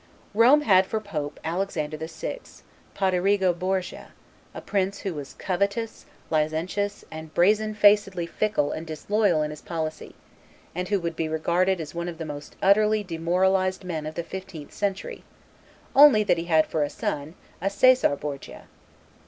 Rome had for pope Alexander VI. (Poderigo Borgia), a prince who was covetous, licentious, and brazen facedly fickle and disloyal in his policy, and who would be regarded as one of the most utterly demoralized men of the fifteenth century, only that he had for son a Caesar Borgia.